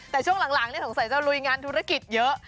แต่ช่วงหลังสงสัยจะลุยงานธุรกิจเยอะ